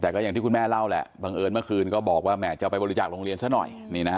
แต่ก็อย่างที่คุณแม่เล่าแหละบังเอิญเมื่อคืนก็บอกว่าแม่จะไปบริจาคโรงเรียนซะหน่อย